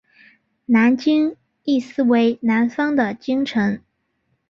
南京意思为南方的京城。